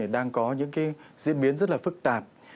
đang có những diễn biến rất là phức tạp